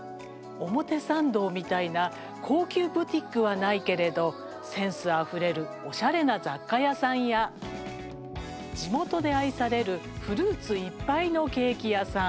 表参道みたいな高級ブティックはないけれどセンスあふれるおしゃれな雑貨屋さんや地元で愛されるフルーツいっぱいのケーキ屋さん。